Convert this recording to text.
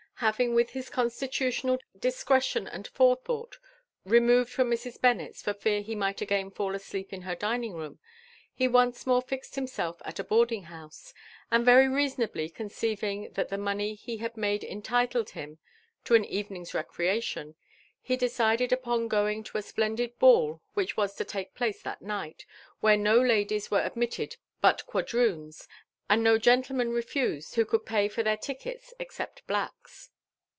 Having with hit Constilulional discretion and forethought, removed from Mrs. Bennet'a for fear he might again fall asleep in her dining room, he once more fjxcd himself at a boarding house ; and very reasonably conceiving.that the money he had made entitled him lo an evening's recreation, liede* cided upon going to a splendid ball which was to take place that night« where no ladies were admitted but quadroons, and no gentlemen re^ fused who could pay for their tickets except blacks.